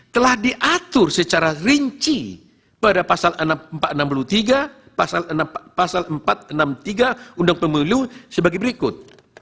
telah diatur secara rinci pada pasal empat ratus enam puluh tiga undang pemilu sebagai berikut